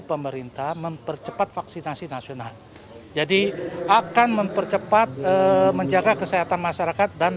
pemerintah mempercepat vaksinasi nasional jadi akan mempercepat menjaga kesehatan masyarakat dan